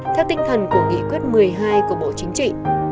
theo tinh thần của nghị quyết một mươi hai của bộ chính trị